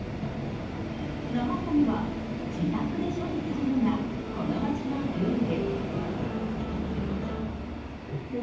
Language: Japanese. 生ごみは自宅で処理するのがこの町のルール。